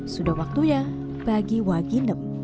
sudah waktunya bagi waginem